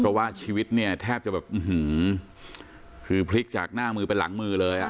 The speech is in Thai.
เพราะว่าชีวิตเนี่ยแทบจะแบบอื้อหือคือพลิกจากหน้ามือไปหลังมือเลยอ่ะ